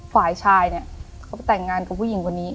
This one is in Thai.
ฝ่ายชายเนี่ยเขาไปแต่งงานกับผู้หญิงคนนี้